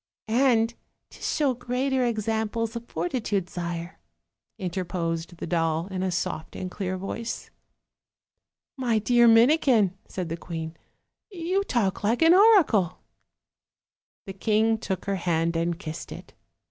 "And to show greater examples of fortitude, sire," interposed the doll, in a soft and clear voice. "My dear Minikin," said the queen, "you talk like an oracle." The king took her hand and kissed it.